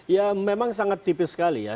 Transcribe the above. ya memang sangat tipis sekali ya